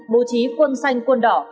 bố trí quân xanh quân đỏ